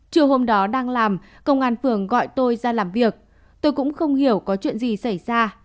trong lòng công an phường gọi tôi ra làm việc tôi cũng không hiểu có chuyện gì xảy ra